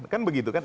kan begitu kan